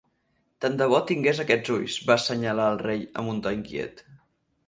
"Tant de bo tingués aquests ulls", va assenyalar el rei amb un to inquiet.